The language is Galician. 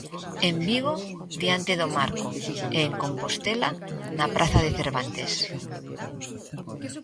En Vigo, diante do Marco e en Compostela, na Praza de Cervantes.